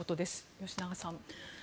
吉永さん。